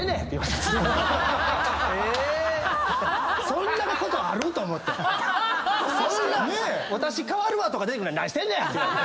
そんなことある⁉と思って「私代わるわ」とか出てこない「何してんねん！」